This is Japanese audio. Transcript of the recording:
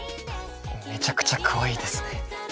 めちゃくちゃかわいいですね。